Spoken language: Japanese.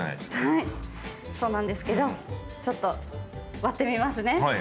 はい、そうなんですけどちょっと割ってみますね。